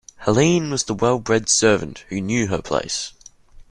Helene was the well-bred servant who knew her place.